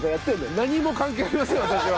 何も関係ありません私は。